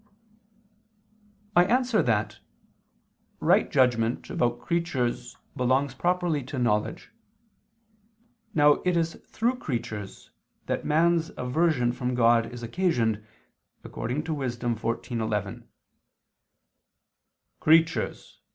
I answer that, Right judgment about creatures belongs properly to knowledge. Now it is through creatures that man's aversion from God is occasioned, according to Wis. 14:11: "Creatures